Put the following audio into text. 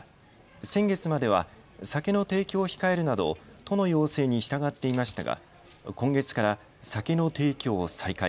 先月までは酒の提供を控えるなど都の要請に従っていましたが今月から酒の提供を再開。